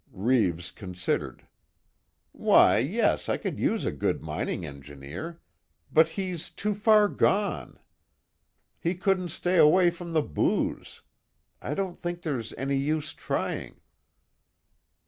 Reeves considered: "Why, yes, I could use a good mining engineer. But he's too far gone. He couldn't stay away from the booze. I don't think there's any use trying."